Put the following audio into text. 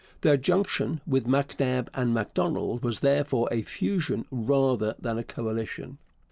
Their junction with MacNab and Macdonald was therefore a fusion rather than a coalition.